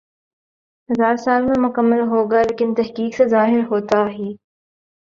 ہزا ر سال میں مکمل ہوگا لیکن تحقیق سی ظاہر ہوتا ہی